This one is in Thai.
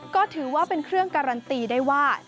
ก็ถือว่าเป็นเครื่องการันตีได้ว่า